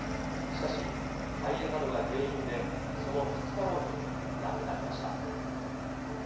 しかし肺炎などが原因で、その２日後に亡くなりました。